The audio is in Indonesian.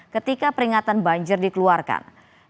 ketika peringatan banjir dikeluarkan